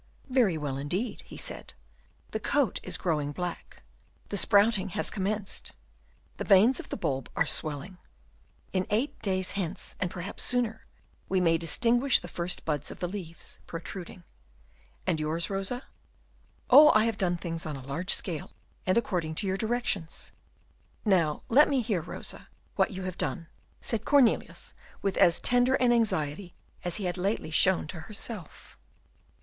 "Very well, indeed," he said, "the coat is growing black, the sprouting has commenced, the veins of the bulb are swelling, in eight days hence, and perhaps sooner, we may distinguish the first buds of the leaves protruding. And yours Rosa?" "Oh, I have done things on a large scale, and according to your directions." "Now, let me hear, Rosa, what you have done," said Cornelius, with as tender an anxiety as he had lately shown to herself.